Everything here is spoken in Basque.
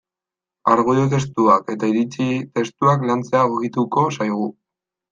Argudio testuak eta iritzi testuak lantzea egokituko zaigu.